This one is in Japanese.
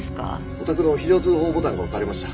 お宅の非常通報ボタンが押されました。